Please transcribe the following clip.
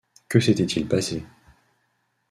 Que s’était-il passé